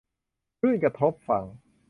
คลื่นกระทบฝั่ง